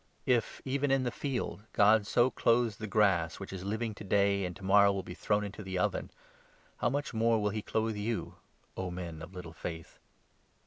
If, even in the field, God so clothes the grass 28 which is living to day and to morrow will be thrown into the oven, how much more will he clothe you, O men of little faith